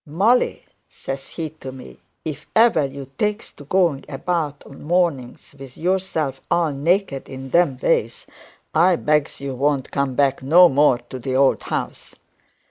"Molly," says he to me, "if ever you takes to going about o' mornings with yourself all naked in them ways, I begs you won't come back no more to the old house."